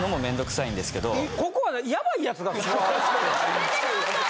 やめてください。